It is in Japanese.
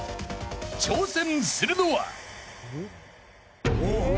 ［挑戦するのは］